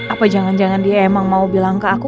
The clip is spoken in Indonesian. apa jangan jangan dia emang mau bilang ke aku